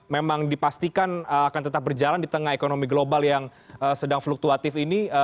memang dipastikan akan tetap berjalan di tengah ekonomi global yang sedang fluktuatif ini